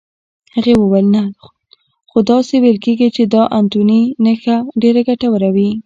هغې وویل: نه، خو داسې ویل کېږي چې د انتوني نخښه ډېره ګټوره وي.